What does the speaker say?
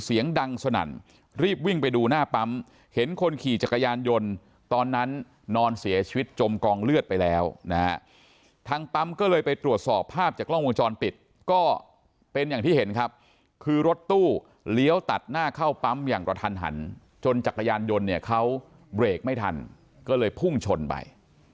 เสียงดังสนั่นรีบวิ่งไปดูหน้าปั๊มเห็นคนขี่จักรยานยนต์ตอนนั้นนอนเสียชีวิตจมกองเลือดไปแล้วนะฮะทางปั๊มก็เลยไปตรวจสอบภาพจากกล้องวงจรปิดก็เป็นอย่างที่เห็นครับคือรถตู้เลี้ยวตัดหน้าเข้าปั๊มอย่างกระทันหันจนจักรยานยนต์เนี่ยเขาเบรกไม่ทันก็เลยพุ่งชนไป